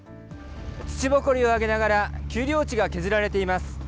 土ぼこりを上げながら、丘陵地が削られています。